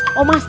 ada di mana